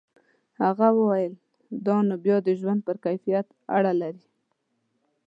هغه وویل دا نو بیا د ژوند پر کیفیت اړه لري.